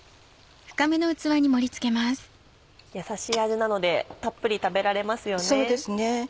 やさしい味なのでたっぷり食べられますよね。